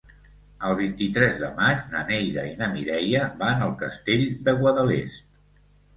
El vint-i-tres de maig na Neida i na Mireia van al Castell de Guadalest.